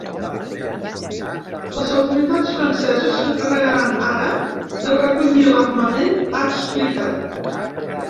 Les autoritats franceses s’encarregaran ara de recollir l’armament, ha explicat.